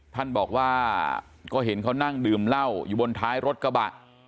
ท่านบอกว่าก็เห็นเขานั่งดื่มเหล้าอยู่บนท้ายรถกระบะ